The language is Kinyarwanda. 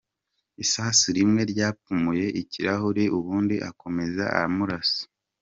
Isasu rimwe ryapfumuye ikirahure ubundi akomeza amurasa.